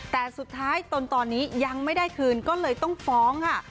แต่สุดท้ายตนตอนนี้ยังไม่ได้คืนก็เลยต้องฟ้องค่ะ